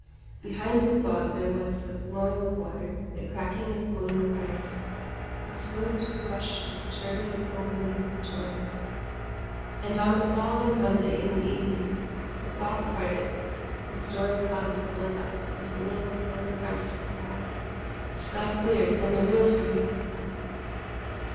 Behind the fog there was the flowing of water, the cracking and floating of ice, the swift rush of turbid, foaming torrents; and on the following Monday, in the evening, the fog parted, the storm clouds split up into little curling crests of cloud, the sky cleared, and the real spring had come.